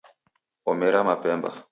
Omera mapemba